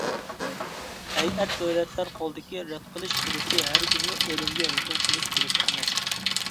ھەيئەت دۆلەتلەر قولىدىكى رەت قىلىش بېلىتى ھەرگىزمۇ ئۆلۈمگە ھۆكۈم قىلىش بېلىتى ئەمەس!